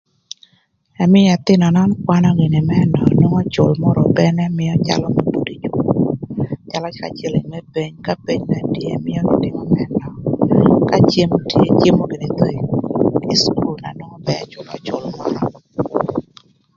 Ëmïö ëthïnö nön kwanö gïnï më nöö nwongo cül mörö ope n'ëmïö calö buto ï cukul calö ka cïlïng më peny ka peny na tye ëmïögï tïmö më nöö ka cem tye cemo gïnï thon ï cukul na nwongo ba ëcülö cül mörö.